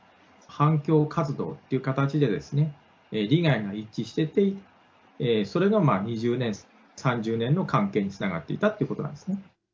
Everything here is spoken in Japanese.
反共活動って形でですね、利害が一致してて、それが２０年、３０年の関係につながっていたということなんですね。